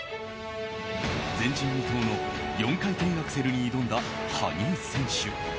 前人未到の４回転アクセルに挑んだ羽生選手。